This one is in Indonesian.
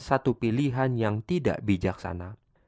satu pilihan yang tidak bijaksana